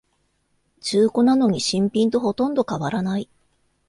中古なのに新品とほとんど変わらない